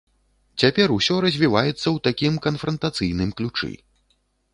Цяпер усё развіваецца ў такім канфрантацыйным ключы.